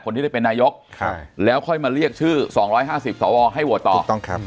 คนที่ได้เป็นนายกแล้วค่อยมาเรียกชื่อ๒๕๐สอวอให้โวตต่อ